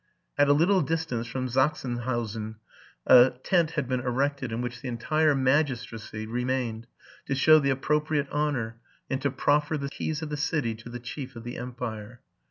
At a little dis tance from Sachsenhausen, a tent had been erected in which the entire magistracy remained, to show the appropriate honor, and to proffer the keys of the city to the chief of the empire.